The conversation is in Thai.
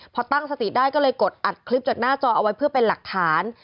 พอตั้งสติได้ก็เลยกดอัดคลิปจากหน้าจอเอาไว้เพื่อเป็นหลักฐาน